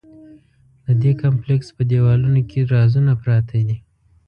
د دې کمپلېکس په دیوالونو کې رازونه پراته دي.